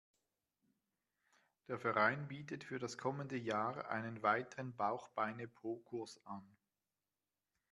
Der Verein bietet für das kommende Jahr einen weiteren Bauch-Beine-Po-Kurs an.